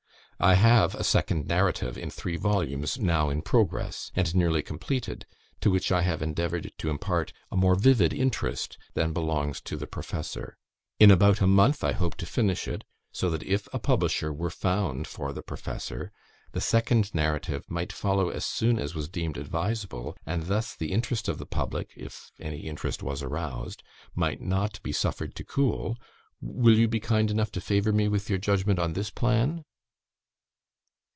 I have a second narrative in three volumes, now in progress, and nearly completed, to which I have endeavoured to impart a more vivid interest than belongs to "The Professor". In about a month I hope to finish it, so that if a publisher were found for "The Professor", the second narrative might follow as soon as was deemed advisable; and thus the interest of the public (if any interest was aroused) might not be suffered to cool. Will you be kind enough to favour me with your judgment on this plan?"